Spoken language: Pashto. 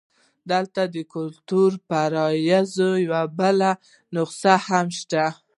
دلته د کلتوري فرضیې یوه بله نسخه هم شته.